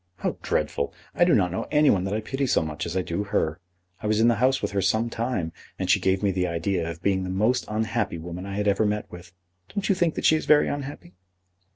"How dreadful! I do not know any one that I pity so much as I do her. I was in the house with her some time, and she gave me the idea of being the most unhappy woman I had ever met with. Don't you think that she is very unhappy?"